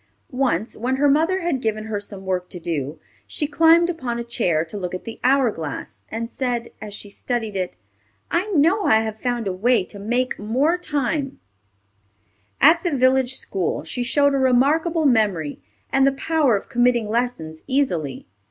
Once, when her mother had given her some work to do, she climbed upon a chair to look at the hour glass, and said, as she studied it, "I know I have found a way to make more time." At the village school she showed a remarkable memory and the power of committing lessons easily.